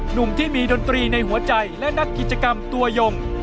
หนุ่มที่มีดนตรีในหัวใจและนักกิจกรรมตัวยง